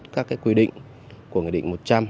các quy định của nghị định một trăm linh